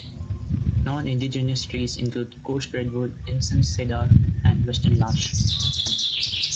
Nonindigenous trees include Coast Redwood, Incense-cedar, and Western Larch.